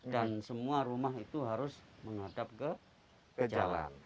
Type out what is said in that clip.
dan semua rumah itu harus menghadap ke jalan